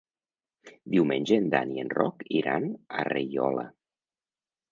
Diumenge en Dan i en Roc iran a Riola.